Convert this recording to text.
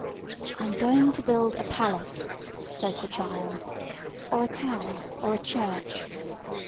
"I am going to build a palace," says the child. Or a tower or a church.